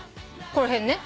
この辺ね。